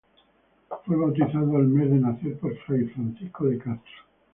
Fue bautizado al mes de nacer, por Fray Francisco de Castro.